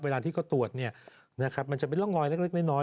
เวลาที่เขาตรวจมันจะเป็นร่องรอยเล็กน้อย